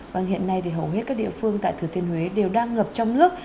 vâng hiện nay thì hầu hết các địa phương tại thừa thiên huế đều đang ngập trong nước